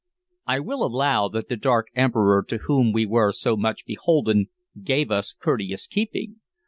I will allow that the dark Emperor to whom we were so much beholden gave us courteous keeping.